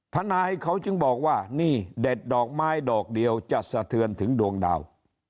ทนายเขาจึงบอกว่านี่เด็ดดอกไม้ดอกเดียวจะสะเทือนถึงดวงดาว